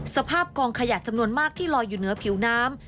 สภาพกองขยะจำนวนมากที่ลอยอยู่เหนือผิวน้ำ